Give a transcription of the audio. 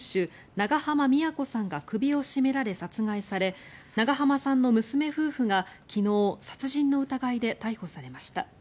長濱美也子さんが首を絞められ殺害され長濱さんの娘夫婦が昨日、殺人の疑いで逮捕されました。